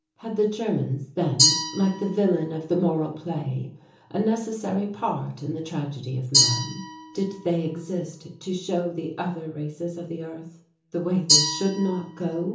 Had the Germans then, like the villain of the moral play, a necessary part in the tragedy of man; did they exist to show the other races of the earth the way they should not go?